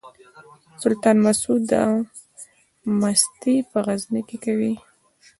سلطان مسعود دا مستي په غزني کې کوي.